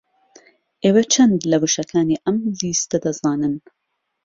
ئێوە چەند لە وشەکانی ئەم لیستە دەزانن؟